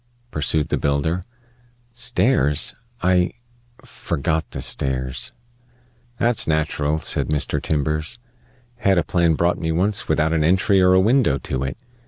pursued the builder. "Stairs? I forgot the stairs." "That's natural," said Mr. Timbers. "Had a plan brought me once without an entry or a window to it.